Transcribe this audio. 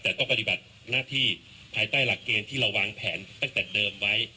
แต่ก็ปฏิบัติหน้าที่ภายใต้หลักเกณฑ์ที่เราวางแผนตั้งแต่เดิมไว้